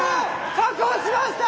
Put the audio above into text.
確保しました！